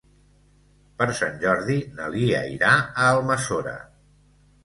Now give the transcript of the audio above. Per Sant Jordi na Lia irà a Almassora.